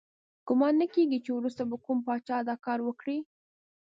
ګمان نه کیږي چې وروسته به کوم پاچا دا کار وکړي.